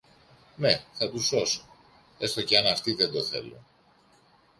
Ναι, θα τους σώσω, έστω και αν αυτοί δεν το θέλουν.